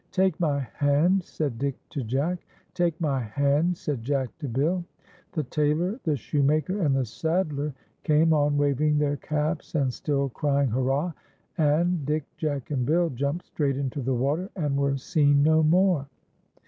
" Take my hand,' said Dick to Jack. " Take my hand," said Jack to Bill. The tailor, the shoemaker, and the saddler came on, waving their caps, and still crying " Hurrah \" and Dick, Jack, and Bill jumped straight into the water, and were seen no more.